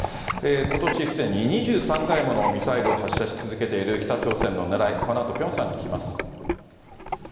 ことしすでに２３回ものミサイルを発射し続けている北朝鮮のねらい、このあとピョンさんに聞きます。